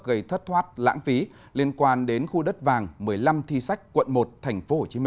gây thất thoát lãng phí liên quan đến khu đất vàng một mươi năm thi sách quận một tp hcm